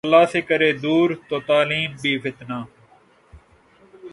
اللہ سے کرے دور ، تو تعلیم بھی فتنہ